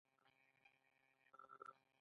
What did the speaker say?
دا ډول مبارزه څنګه په افغانستان کې کارول کیږي؟